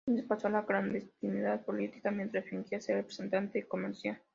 Entonces pasó a la clandestinidad política mientras fingía ser representante comercial.